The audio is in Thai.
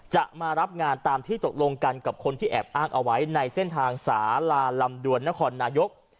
จะมารับงานตามที่ตกลงกันกับคนที่แอบอ้างเอาไว้ในเส้นทางสาลาลำดวนนครนายก